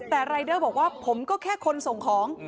แต่รายเดอร์บอกว่าผมก็แค่คนส่งของ